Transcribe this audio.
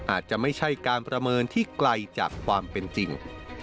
อาจจะไม่ใช่การประเมินที่ไกลจากความเป็นจริง